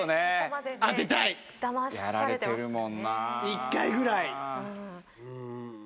１回ぐらい。